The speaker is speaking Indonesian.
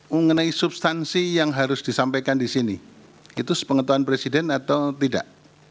mengenai substansi yang harus disampaikan di sini itu sepengetahuan presiden atau tidak